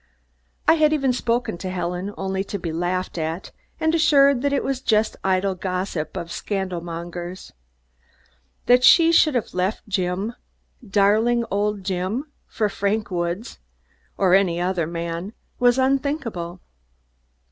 I had even spoken to Helen, only to be laughed at, and assured that it was the idle gossip of scandal mongers. That she should have left Jim, darling old Jim, for Frank Woods, or any other man, was unthinkable.